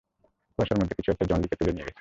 কুয়াশার মধ্যে কিছু একটা জন লিকে তুলে নিয়ে গেছে!